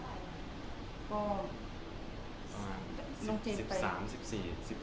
ก็มันเจ็บไป๑๓๑๔